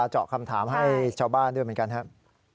เจาะคำถามให้ชาวบ้านด้วยเหมือนกันครับ